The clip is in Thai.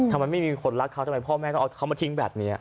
ทำไมไม่มีคนรักเขาทำไมพ่อแม่ต้องเอาเขามาทิ้งแบบนี้